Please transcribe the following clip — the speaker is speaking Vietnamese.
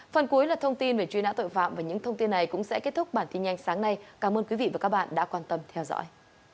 phần cuối là thông tin về truy nã tội phạm và những thông tin này cũng sẽ kết thúc bản tin nhanh sáng nay cảm ơn quý vị và các bạn đã quan tâm theo dõi